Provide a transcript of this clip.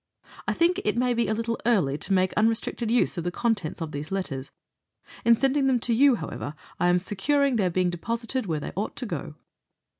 I think it may be a little early to make unrestricted use of the contents of these letters. In sending them to you, however, I am securing their being deposited where they ought to go."